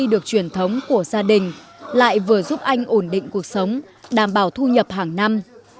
chăn nuôi là một truyền thống của gia đình lại vừa giúp anh ổn định cuộc sống đảm bảo thu nhập hàng năm